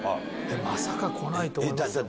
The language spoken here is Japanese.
まさか来ないと思いますよ。